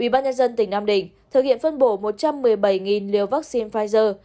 ủy ban nhân dân tỉnh nam định thực hiện phân bổ một trăm một mươi bảy liều vaccine pfizer